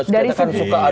kita kan suka ada